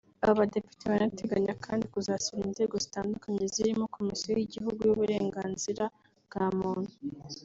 Aba badepite baranateganya kandi kuzasura inzego zitandukanye zirimo Komisiyo y’igihugu y’uburenganzira bwa muntu